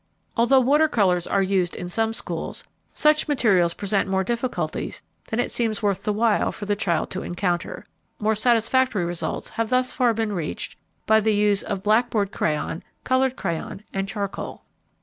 Although water colors are used in some schools, such materials present more difficulties than it seems worth the while for the child to encounter. More satisfactory results have thus far been reached by the use of blackboard crayon, colored crayon, and charcoal.